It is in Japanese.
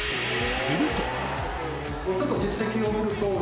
すると！！